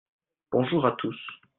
bonjour à tous.